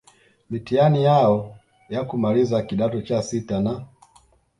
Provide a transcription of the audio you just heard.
mitihani yao ya kumaliza kidato cha sita na